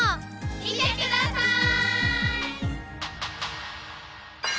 見てください！